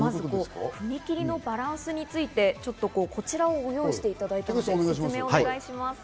踏み切りのバランスについてこちらをご用意していただいています。